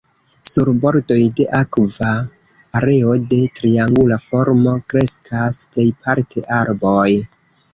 Sur bordoj de akva areo de triangula formo kreskas plejparte arboj.